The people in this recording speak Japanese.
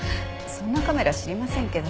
そんなカメラ知りませんけど。